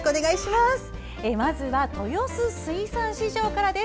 まずは豊洲水産市場から。